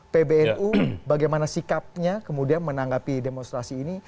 pbnu bagaimana sikapnya kemudian menanggapi demonstrasi ini